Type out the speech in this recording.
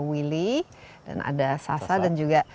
willy dan ada sasa dan juga